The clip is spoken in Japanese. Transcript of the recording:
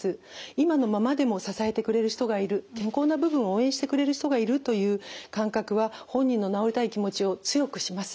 今のままでも支えてくれる人がいる健康な部分を応援してくれる人がいるという感覚は本人の治りたい気持ちを強くします。